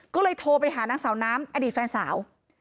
ก็เลยโทรไปหานางสาวน้ำอดีตแฟนสาว